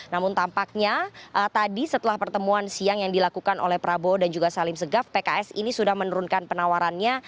namun tampaknya tadi setelah pertemuan siang yang dilakukan oleh prabowo dan juga salim segaf pks ini sudah menurunkan penawarannya